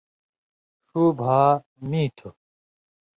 ݜُو بھا مِیں تُھو۔